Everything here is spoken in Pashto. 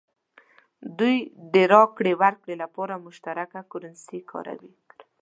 دوی د راکړې ورکړې لپاره مشترکه کرنسي کاروي.